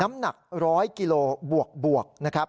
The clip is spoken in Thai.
น้ำหนักร้อยกิโลบวกบวกนะครับ